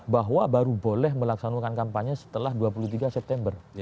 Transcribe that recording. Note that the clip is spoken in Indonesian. bahwa baru boleh melaksanakan kampanye setelah dua puluh tiga september